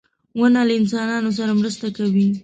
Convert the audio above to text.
• ونه له انسانانو سره مرسته کوي.